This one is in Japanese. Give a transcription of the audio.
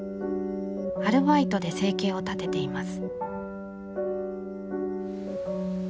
アルバイトで生計を立てています。